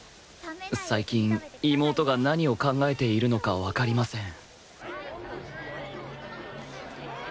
最近妹が何を考えているのかわかりません